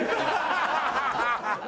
ハハハハ！